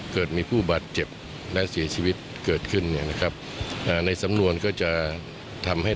เกิดมีผู้บาดเจ็บและเสียชีวิตเกิดขึ้นเนี่ยนะครับอ่าในสำนวนก็จะทำให้